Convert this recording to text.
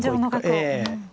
ええ。